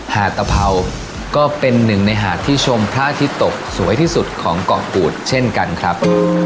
หาดตะเผาก็เป็นหนึ่งในหาดที่ชมพระอาทิตย์ตกสวยที่สุดของเกาะกูดเช่นกันครับ